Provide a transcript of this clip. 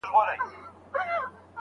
آیا زړورتیا تر وېرې پیاوړې ده؟